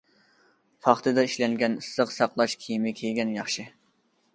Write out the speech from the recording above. پاختىدا ئىشلەنگەن ئىسسىق ساقلاش كىيىمى كىيگەن ياخشى.